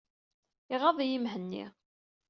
Iɣaḍ-iyi Mhenni.